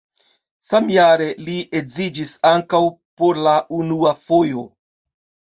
Samjare li edziĝis ankaŭ por la unua fojo.